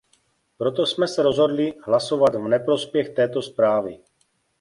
Proto jsme se rozhodli hlasovat v neprospěch této zprávy.